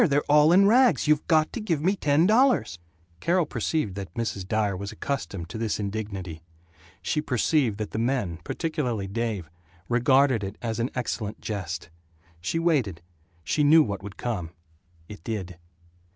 They're all in rags. You got to give me ten dollars " Carol perceived that Mrs. Dyer was accustomed to this indignity. She perceived that the men, particularly Dave, regarded it as an excellent jest. She waited she knew what would come it did.